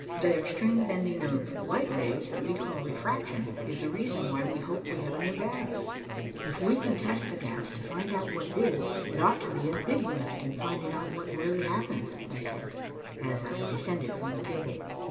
That extreme bending of light rays that we call refraction is the reason why we hope we have a new gas." "If we can test the gas to find out what it is, it ought to be a big lift in finding out what really happened," I said, as I descended from the table.